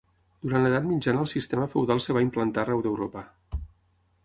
Durant l'edat mitjana el sistema feudal es va implantar arreu d'Europa.